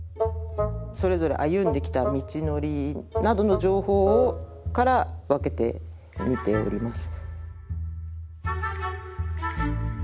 それぞれ歩んできた道のりなどの情報から分けてみております。